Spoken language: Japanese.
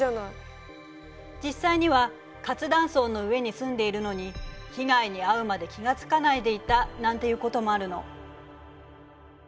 実際には活断層の上に住んでいるのに被害に遭うまで気が付かないでいたなんていうこともあるの。